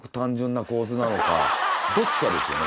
どっちかですよね